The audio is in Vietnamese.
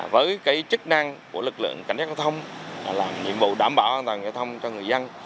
với chức năng của lực lượng cảnh sát giao thông là nhiệm vụ đảm bảo an toàn giao thông cho người dân